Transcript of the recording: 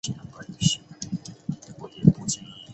终于熬到八点